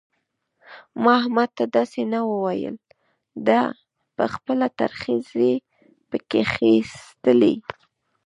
ما احمد ته داسې نه وو ويلي؛ ده په خپله ترخځي په کښېيستلې.